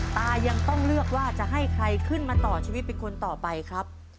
ตายังต้องเลือกว่าจะให้ใครขึ้นมาต่อชีวิตเป็นคนต่อไปครับ